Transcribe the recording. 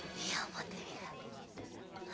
もってみる？